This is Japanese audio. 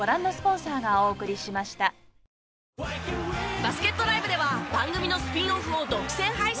バスケットＬＩＶＥでは番組のスピンオフを独占配信。